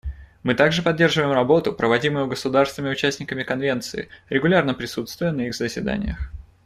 Мы также поддерживаем работу, проводимую государствами — участниками Конвенции, регулярно присутствуя на их заседаниях.